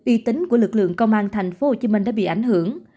y tính của lực lượng công an tp hcm đã bị ảnh hưởng